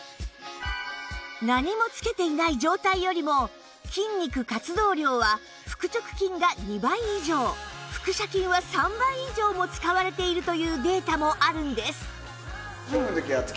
何も着けていない状態よりも筋肉活動量は腹直筋が２倍以上腹斜筋は３倍以上も使われているというデータもあるんです